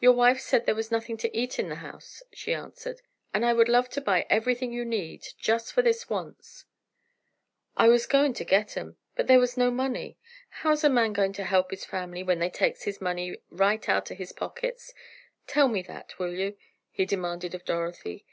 "Your wife said there was nothing to eat in the house," she answered, "and I would love to buy everything you need, just for this once." "I was just goin' to get 'em, but there was no money. How's a man goin' to help his family, when they takes his money right outer his pockets; tell me that, will you?" he demanded of Dorothy.